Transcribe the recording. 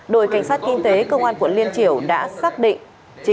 đội cảnh sát kinh tế công an quận liên triểu đã xác định